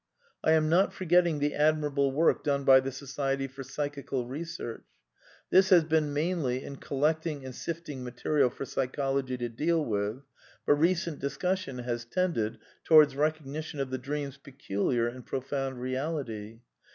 I am not forgetting the admirable work done by the Society for Psychical Research. This has been mainly in collecting and sifting material for Psychology to deal with ; but recent discussion has tended towards recognition of the dream's peculiar and profound reality.